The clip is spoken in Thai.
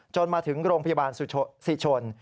มาถึงโรงพยาบาลศรีชน